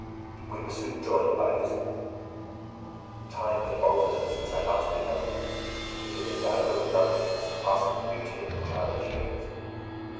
We were soon joined by Elizabeth. Time had altered her since I last beheld her; it had endowed her with loveliness surpassing the beauty of her childish years.